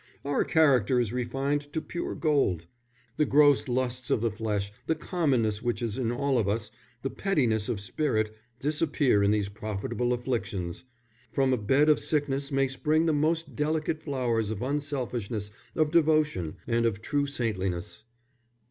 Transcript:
"Our character is refined to pure gold. The gross lusts of the flesh, the commonness which is in all of us, the pettiness of spirit, disappear in these profitable afflictions. From a bed of sickness may spring the most delicate flowers of unselfishness, of devotion, and of true saintliness.